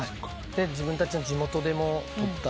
自分たちの地元でも撮った。